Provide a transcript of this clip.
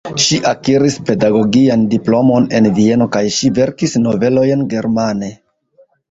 Ŝi akiris pedagogian diplomon en Vieno kaj ŝi verkis novelojn germane.